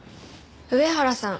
上原さん